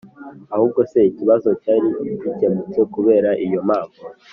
ahubwo se ikibazo cyari gikemutse kubera iyo mpamvu?